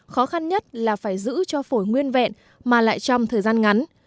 khó khăn nhất là phải giữ cho phổi nguyên vẹn mà lại trong thời gian ngắn